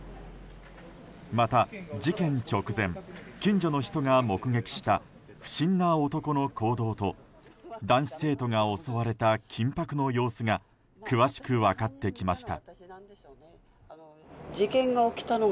また、事件直前近所の人が目撃した不審な男の行動と男子生徒が襲われた緊迫の様子が詳しく分かってきました。